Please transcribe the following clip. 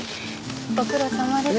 ご苦労さまです。